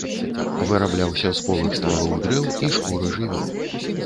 Вырабляўся з полых ствалоў дрэў і шкуры жывёл.